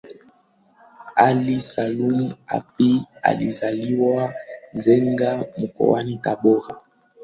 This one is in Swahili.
ally salum hapi alizaliwa nzega mkoani tabora